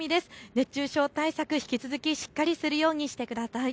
熱中症対策、引き続きしっかりするようにしてください。